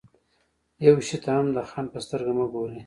يوه شي ته هم د خنډ په سترګه مه ګورئ.